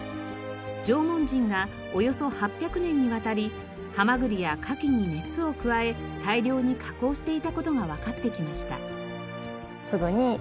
縄文人がおよそ８００年にわたりハマグリやカキに熱を加え大量に加工していた事がわかってきました。